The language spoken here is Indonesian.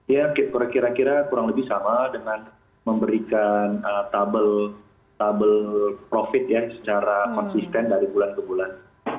ya kira kira kurang lebih sama dengan memberikan tabel profit ya secara konsisten dari bulan ke bulan